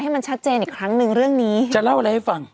ให้มันชัดเจนอีกครั้งหนึ่งเรื่องนี้จะเล่าอะไรให้ฟัง